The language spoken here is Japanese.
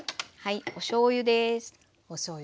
おしょうゆです。